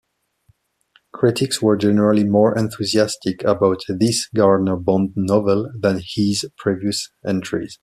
Critics were generally more enthusiastic about this Gardner Bond novel than his previous entries.